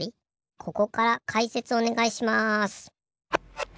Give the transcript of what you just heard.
ここからかいせつおねがいします。